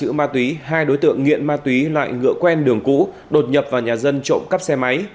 giữ ma túy hai đối tượng nghiện ma túy lại ngựa quen đường cũ đột nhập vào nhà dân trộm cắp xe máy